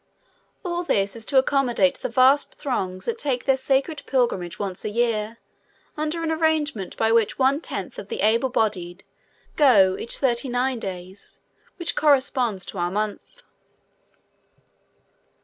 All this is to accommodate the vast throngs that take their sacred pilgrimage once in a year under an arrangement by which one tenth of the able bodied go each thirty nine days, which corresponds to our month.